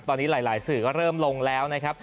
ตอนนี้หลายสื่อก็เริ่มลงแล้วนะครับ